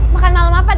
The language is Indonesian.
makan malam apa dad